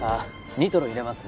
ニトロ入れますね